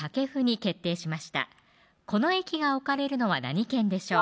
この駅が置かれるのは何県でしょう